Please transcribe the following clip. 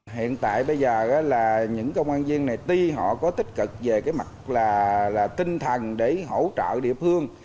hiện tại bây giờ là những công an viên này tuy họ có tích cực về cái mặt là tinh thần để hỗ trợ địa phương